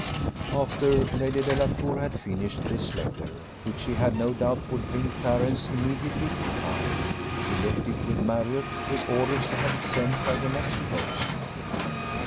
After Lady Delacour had finished this letter, which she had no doubt would bring Clarence immediately to town, she left it with Marriott, with orders to have it sent by the next post.